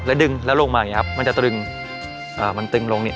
แล้วดึงแล้วลงมาอย่างนี้ครับมันจะตรึงมันตึงลงเนี่ย